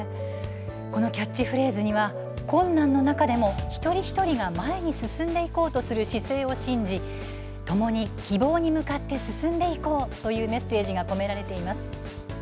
このキャッチフレーズには困難の中でも、一人一人が前に進んでいこうとする姿勢を信じ、ともに希望に向かって進んでいこうというメッセージが込められています。